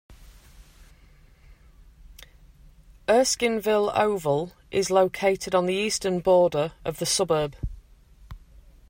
Erskineville Oval is located on the eastern border of the suburb.